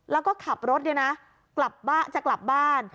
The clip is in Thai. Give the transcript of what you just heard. แล้วก็ขับรถจะกลับบ้าน